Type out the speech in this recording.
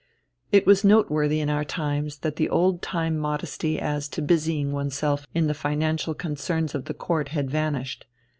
It was noteworthy in our times that all the old time modesty as to busying oneself in the financial concerns of the Court had vanished.